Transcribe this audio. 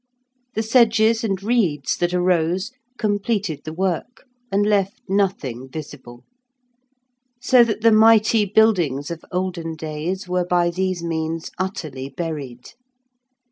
The sedges and reeds that arose completed the work and left nothing visible, so that the mighty buildings of olden days were by these means utterly buried.